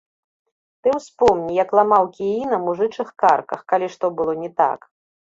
Ты ўспомні, як ламаў кіі на мужычых карках, калі што было не так.